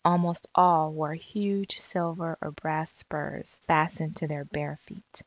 Almost all wore huge silver or brass spurs fastened to their bare feet.